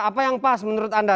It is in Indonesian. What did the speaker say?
apa yang pas menurut anda